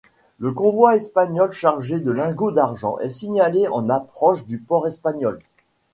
Le convoi espagnol chargé de lingots d'argent est signalé en approche du port espagnol.